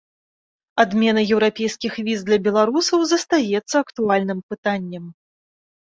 Адмена еўрапейскіх віз для беларусаў застаецца актуальным пытаннем.